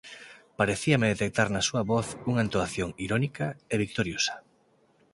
Parecíame detectar na súa voz unha entoación irónica e victoriosa.